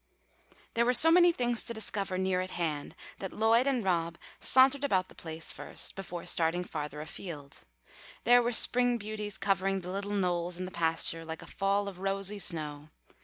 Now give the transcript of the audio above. There were so many things to discover near at hand that Lloyd and Rob sauntered about the place first, before starting farther afield. There were spring beauties covering the little knolls in the pasture, like a fall of rosy snow.